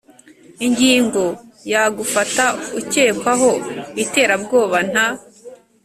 Ingingo ya gufata ukekwaho iterabwoba nta